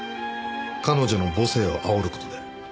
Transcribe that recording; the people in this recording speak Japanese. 彼女の母性を煽る事で。